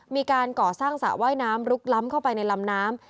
มีการก่อสร้างสระว่ายน้ำลุกล้ำเข้าไปในลำน้ำ